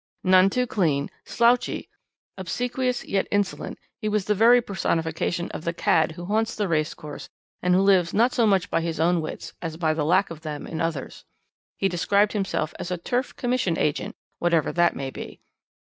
"None too clean, slouchy, obsequious yet insolent, he was the very personification of the cad who haunts the racecourse and who lives not so much by his own wits as by the lack of them in others. He described himself as a turf commission agent, whatever that may be.